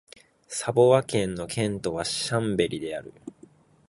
サヴォワ県の県都はシャンベリである